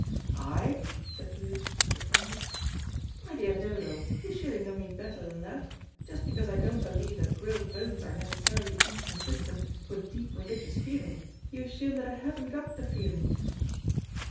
"I!" said Edith with surprise. "My dear Dodo, you surely know me better than that. Just because I don't believe that grilled bones are necessarily inconsistent with deep religious feeling, you assume that I haven't got the feeling."